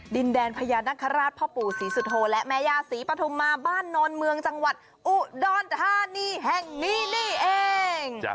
ดินแดนพญานาคาราชพ่อปู่ศรีสุโธและแม่ย่าศรีปฐุมมาบ้านโนนเมืองจังหวัดอุดรธานีแห่งนี้นี่เอง